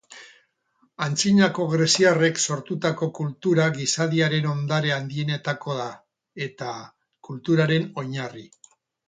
Antzinako greziarrek sortutako kultura gizadiaren ondare handienetakoa da eta kulturaren oinarri.